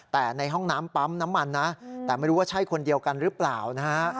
แต่ในห้องน้ำปั๊มน้ำมันนะแต่ไม่รู้ว่าใช่คนเดียวกันหรือเปล่านะฮะ